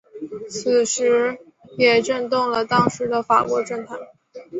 此事也震动了当时的法国政坛。